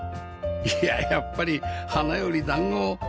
いややっぱり花より団子ですかね？